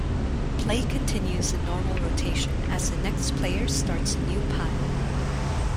Play continues in normal rotation as the next player starts a new pile.